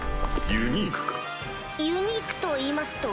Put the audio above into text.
ユニークといいますと？